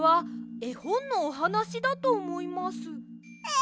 え？